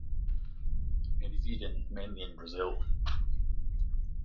It is eaten mainly in Brazil.